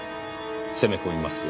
攻め込みますよ。